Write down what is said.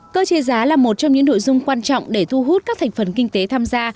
cơ chế giá là một trong những nội dung quan trọng để thu hút các thành phần kinh tế tham gia